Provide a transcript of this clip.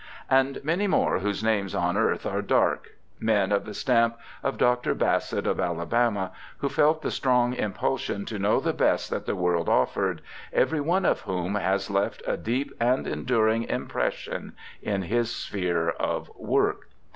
'And many more whose names on earth are dark* —men a! the stamp of Dr. Bassett of Alabama, who felt the strong impulsion to know the best that the 200 BIOGRAPHICAL ESSAYS world offered, every one of whom has left a deep and enduring impression in his sphere of work.